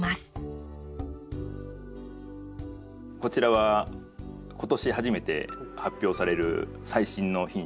こちらは今年初めて発表される最新の品種。